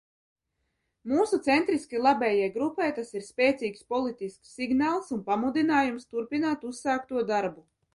Mūsu centriski labējai grupai tas ir spēcīgs politisks signāls un pamudinājums turpināt uzsākto darbu.